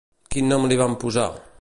Quin nom li van posar?